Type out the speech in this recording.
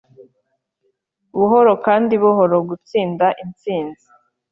buhoro kandi buhoro gutsinda intsinzi